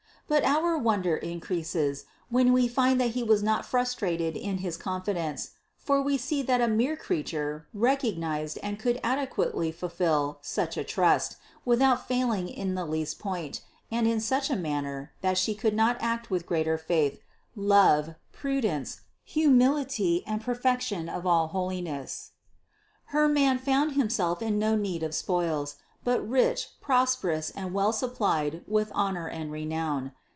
But our wonder increases, when we find that He was not frustrated in his confidence; for we see that a mere Creature recog nized and could adequately fulfill such a trust, without failing in the least point, and in such a manner, that She could not act with greater faith, love, prudence, humility and perfection of all holiness. Her Man found Himself in no need of spoils, but rich, prosperous and well supplied with honor and renown.